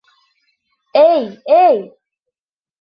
Эй, эй!